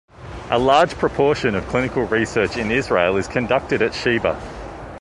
A large proportion of clinical research in Israel is conducted at Sheba.